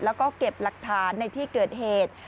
แล้วก็เก็บหลักฐานในที่เกิดเหตุ